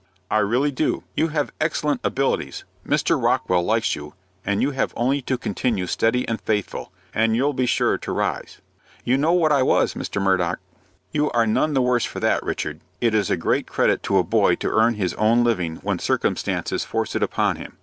"I really do. You have excellent abilities, Mr. Rockwell likes you, and you have only to continue steady and faithful, and you'll be sure to rise." "You know what I was, Mr. Murdock." "You are none the worse for that, Richard. It is a great credit to a boy to earn his own living when circumstances force it upon him.